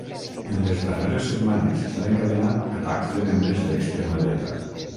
En les darreres setmanes s’han encadenat atacs de membres d’extrema dreta.